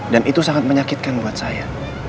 dan itu sangat menyakitkan buat saya